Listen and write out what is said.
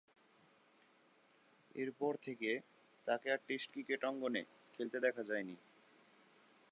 এরপর থেকে তাকে আর টেস্ট ক্রিকেট অঙ্গনে খেলতে দেখা যায়নি।